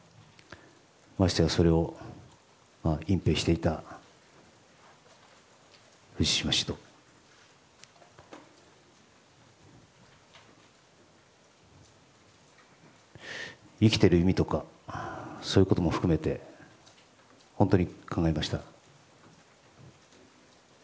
ましてやそれを隠ぺいしていた藤島氏と生きている意味とかそういうことも含めて本当に考えました。